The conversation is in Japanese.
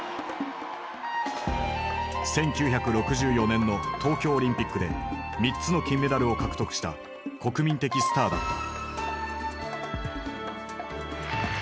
１９６４年の東京オリンピックで３つの金メダルを獲得した国民的スターだった。